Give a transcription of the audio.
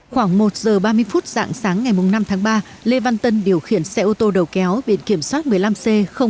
khoảng một giờ ba mươi phút dạng sáng ngày năm tháng ba lê văn tân điều khiển xe ô tô đầu kéo biển kiểm soát một mươi năm c bảy nghìn năm trăm hai mươi sáu